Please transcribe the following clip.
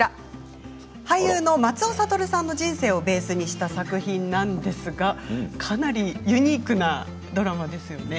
俳優の松尾諭さんの人生をベースにした作品なんですがかなりユニークなドラマですよね。